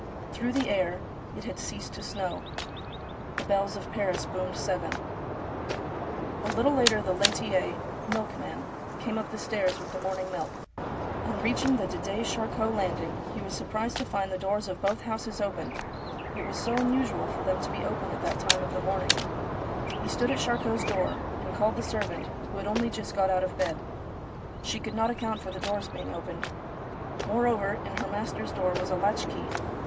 Through the air — it had ceased to snow — the bells of Paris boomed seven. A little later the laitier (milkman) came up the stairs with the morning milk. On reaching the Didet Charcot landing 1 There are usually two beds in a French bedroom. THE CRIME OF THE RUE AUBER 303 lie was surprised to find the doors of both houses open : it was so unusual for them to be open at that time of the morning. He stood at Charcot's door, and called the servant, who had only just got out of bed. She could not account for the doors being opened. Moreover, in her master's door was a latch key.